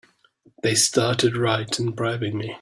They started right in bribing me!